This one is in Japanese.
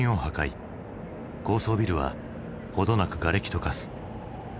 高層ビルは程なくがれきと化す。